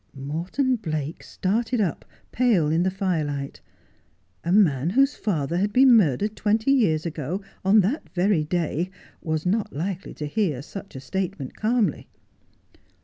Morton Blake started up, pale in the firelight. A man whose father had been murdered twenty years ago, on that very day, was not likely to hear such a statement calmly.